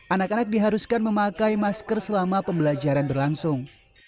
anak anak diharuskan memakai masker selama pembelajaran berlangsung